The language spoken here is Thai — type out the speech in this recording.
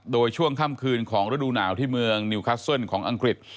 โดยช่วงค่ำคืนของฤดูหนาวที่เมืองนิวคัสเซิลของอังกฤษ